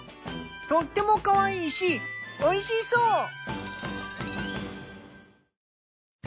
とってもかわいいしおいしそう。